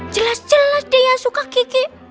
jelas jelas dia suka gigit